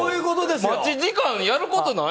待ち時間、やることない？